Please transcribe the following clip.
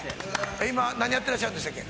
今何やってらっしゃるんでしたっけ？